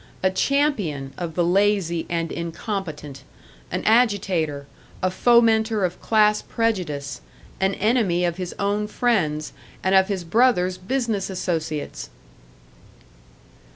A champion of the lazy and incompetent, an agitator, a fomenter of class prejudice, an enemy of his own friends, and of his brother's business associates!